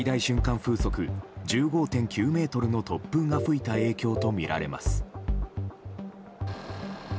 風速１５．９メートルの突風が吹いた影響とみられます。